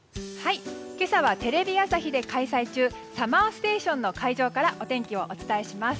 今朝はテレビ朝日で開催中「ＳＵＭＭＥＲＳＴＡＴＩＯＮ」の会場からお天気をお伝えします。